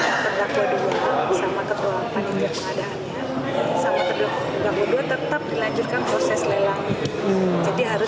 tapi kemudian ini terdakwa dulu sama ketua panitia keadaannya